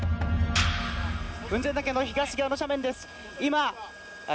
雲仙岳の東側の斜面です。